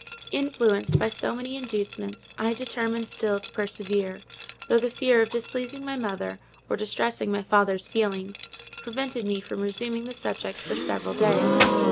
Influenced by so many inducements, I determined still to persevere; though the fear of displeasing my mother, or distressing my father's feelings, prevented me from resuming the subject for several days.